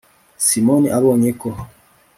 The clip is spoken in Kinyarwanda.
simoni abonye ko